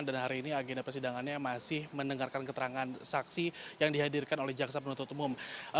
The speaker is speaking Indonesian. dan hari ini agen persidangannya masih mendengarkan keterangan saksi yang dihadirkan oleh jaksa penutup umum